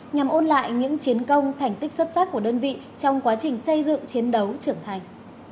nhằm ôn lại những chiến công thành tích xuất sắc của đơn vị trong quá trình xây dựng chiến đấu trưởng thành